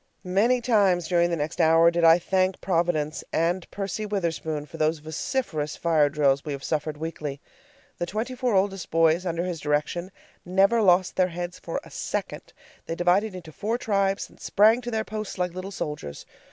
Many times during the next hour did I thank Providence and Percy Witherspoon for those vociferous fire drills we have suffered weekly. The twenty four oldest boys, under his direction, never lost their heads for a second. They divided into four tribes, and sprang to their posts like little soldiers.